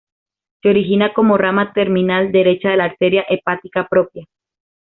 Se origina como rama terminal derecha de la arteria hepática propia.